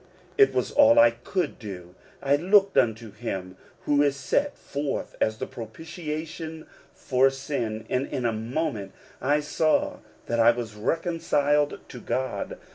It was all I could do. I looked unto him who is set forth as a propitiation for sin ; and in a moment I saw that I was reconciled to God.